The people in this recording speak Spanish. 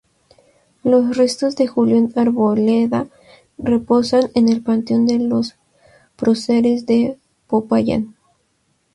Los restos de Julio Arboleda reposan en el Panteón de los Próceres de Popayán.